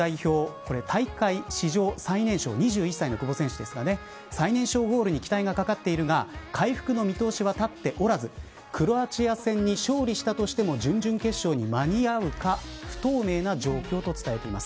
これ、大会史上最年少２１歳の久保選手ですが最年少ゴールに期待がかかっているが回復の見通しは立っておらずクロアチア戦に勝利したとしても準々決勝に間に合うか不透明な状況と伝えています。